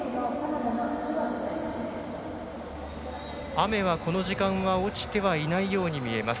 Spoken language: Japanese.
雨はこの時間落ちてはいないように見えます。